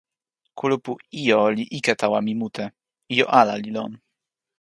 kulupu ijo li ike tawa mi mute. ijo ala li lon.